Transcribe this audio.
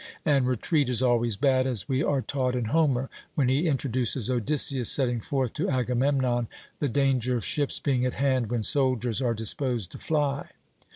And retreat is always bad, as we are taught in Homer, when he introduces Odysseus, setting forth to Agamemnon the danger of ships being at hand when soldiers are disposed to fly.